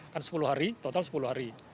kan sepuluh hari total sepuluh hari